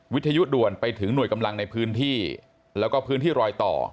วิทยุด่วนไปถึงหน่วยกำลังในพื้นที่แล้วก็พื้นที่รอยต่อ